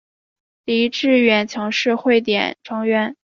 狄志远曾是汇点成员。